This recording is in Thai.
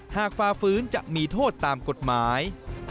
ฝ่าฟื้นจะมีโทษตามกฎหมาย